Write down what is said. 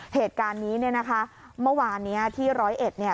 เหตุการณ์นี้เนี่ยนะคะเมื่อวานเนี้ยที่ร้อยเอ็ดเนี่ย